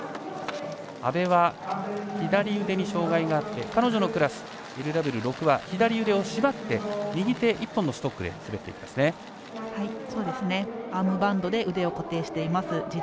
阿部は、左腕に障がいがあって彼女のクラス、ＬＷ６は左腕を縛って右手１本のストックで滑っていますね。